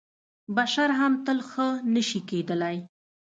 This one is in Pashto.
بشر هم تل ښه نه شي کېدلی .